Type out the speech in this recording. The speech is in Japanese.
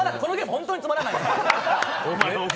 本当につまらない。